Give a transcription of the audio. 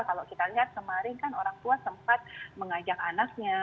kalau kita lihat kemarin kan orang tua sempat mengajak anaknya